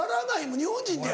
日本人で。